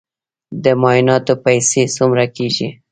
د معایناتو پیسې څومره کیږي؟